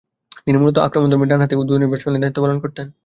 তিনি মূলতঃ আক্রমণধর্মী ডানহাতি উদ্বোধনী ব্যাটসম্যানের দায়িত্ব পালন করতেন।